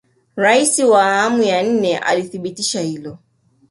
raisi wa awamu ya nne alithibitisha hilo